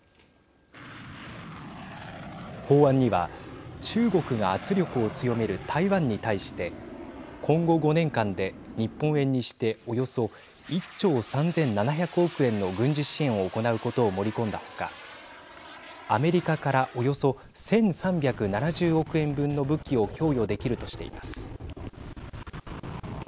法案には中国が圧力を強める台湾に対して今後５年間で日本円にしておよそ１兆３７００億円の軍事支援を行うことを盛り込んだ他アメリカからおよそ１３７０億円分の武器を供与できるとしています。